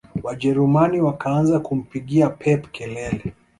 wajerumani wakaanza kumpigia pep kelele